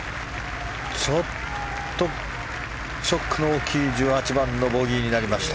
ちょっとショックの大きい１８番のボギーになりました。